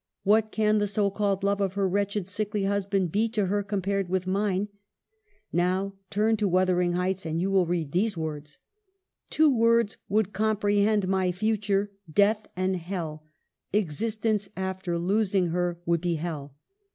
What can the so called love of her wretched sickly husband be to her compared with mine ?' Now, turn to ' Wuther ing Heights ' and you will read these words :' Two words would comprehend my future — death and hell ; existence after losing her would be hell.